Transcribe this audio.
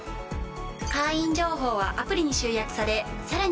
会員情報はアプリに集約されさらに便利に。